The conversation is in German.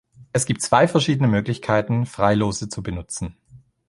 Es gibt zwei verschiedene Möglichkeiten, Freilose zu benutzen.